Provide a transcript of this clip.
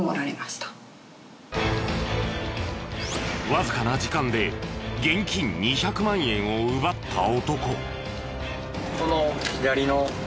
わずかな時間で現金２００万円を奪った男。